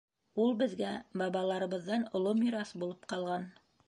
Ул беҙгә бабаларыбыҙҙан оло мираҫ булып ҡалған.